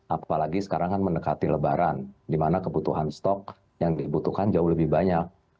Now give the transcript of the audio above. apalagi sekarang kan mendekati lebaran di mana kebutuhan stok yang dibutuhkan jauh lebih banyak